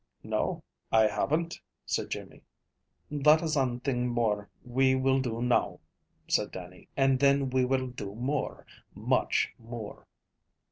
"No, I haven't," said Jimmy. "That is ane thing we will do now," said Dannie, "and then we will do more, much more."